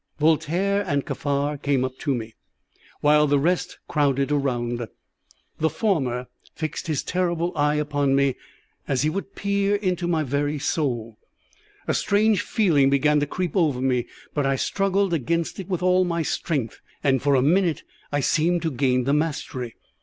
Voltaire and Kaffar came up to me, while the rest crowded around. The former fixed his terrible eye upon me as if he would peer into my very soul. A strange feeling began to creep over me; but I struggled against it with all my strength, and for a minute I seemed to gain the mastery.